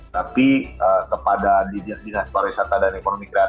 tapi kepada dj dinas pariwisata dan ekonomi kerajaan